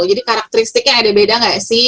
jadi karakteristiknya ada beda gak sih